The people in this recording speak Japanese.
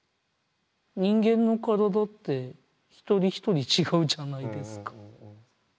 人間の体って一人一人違うじゃないですか。